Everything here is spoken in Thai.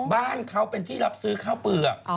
บ้านเขาเป็นที่รับซื้อข้าวเปลือก